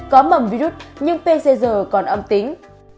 có mầm virus nhưng pcr còn âm tính